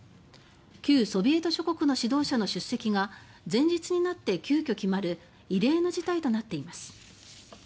旧ソビエト諸国の指導者の出席が前日になって急遽決まる異例の事態となっています。